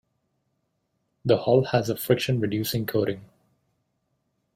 The hull has a friction-reducing coating.